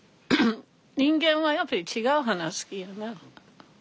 人間はやっぱり違う花好きやな。